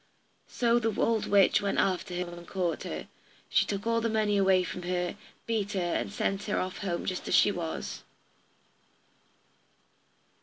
So the old witch went after her and caught her, she took all the money away from her, beat her, and sent her off home just as she was.